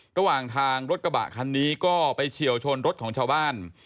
ระหว่างทางรถกระบะคันนี้ก็ไปเฉียวชนรถของชาวบ้าน